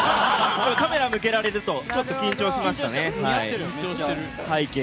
カメラ向けられるとちょっと緊張しましたね。